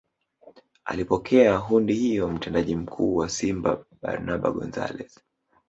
Akipokea hundi hiyo Mtendaji Mkuu wa Simba Barbara Gonzalez